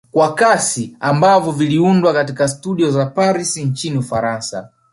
Kwa kasi ambavyo viliundwa katika studio za Paris nchini Ufaransa